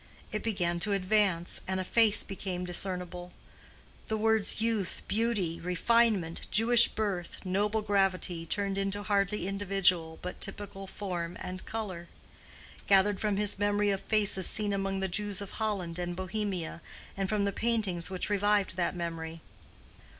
It began to advance, and a face became discernible; the words youth, beauty, refinement, Jewish birth, noble gravity, turned into hardly individual but typical form and color: gathered from his memory of faces seen among the Jews of Holland and Bohemia, and from the paintings which revived that memory.